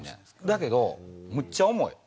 だけど、むっちゃ重い。